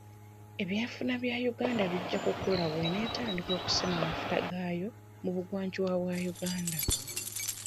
Eby'enfuna bya Uganda bijja kukula bw'enaatandika okusima amafuta gaayo mu bugwanjuba bwa Uganda.